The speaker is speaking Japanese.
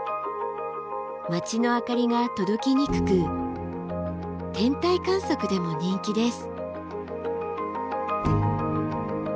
街の明かりが届きにくく天体観測でも人気です。